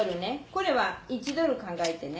これは１ドル考えてね